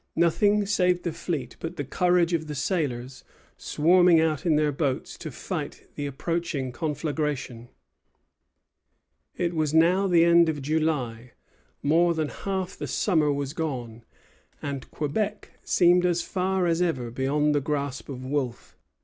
Nothing saved the fleet but the courage of the sailors, swarming out in their boats to fight the approaching conflagration. It was now the end of July. More than half the summer was gone, and Quebec seemed as far as ever beyond the grasp of Wolfe.